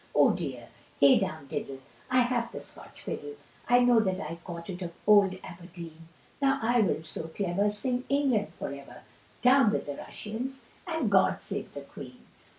Oh dear, hey down diddle, I have the Scotch fiddle, I know that I caught it of old Aberdeen, Now I will so clever sing England for ever, Down with the Russians, and God save the Queen.